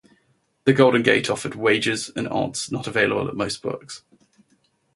The Golden Gate offered wages and odds not available at most books.